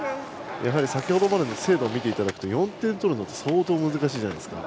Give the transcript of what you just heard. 先ほどまでの精度を見ていただくと４点取るのって相当難しいじゃないですか。